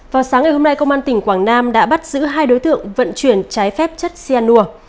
vào sáng ngày hôm nay công an tỉnh quảng nam đã bắt giữ hai đối tượng vận chuyển trái phép chất cyanur